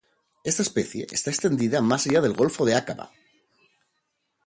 Esta especie está extendida más allá del Golfo de Aqaba.